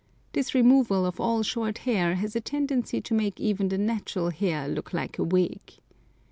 This removal of all short hair has a tendency to make even the natural hair look like a wig.